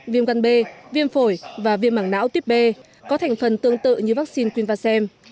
viêm găn b viêm phổi và viêm mảng não tiếp b có thành phần tương tự như vaccine queenvacem